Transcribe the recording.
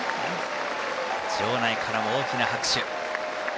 場内からも大きな拍手。